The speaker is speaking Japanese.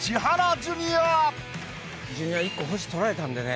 ジュニア１個星取られたんでね